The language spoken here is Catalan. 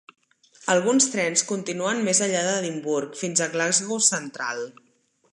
Alguns trens continuen més enllà d'Edinburgh fins a Glasgow Central.